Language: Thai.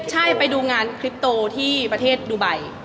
ใช่ไปดูงานคลิปโตที่ประเทศดูไบ